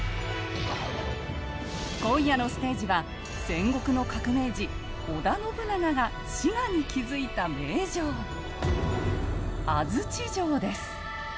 今夜のステージは戦国の革命児織田信長が滋賀に築いた名城安土城です。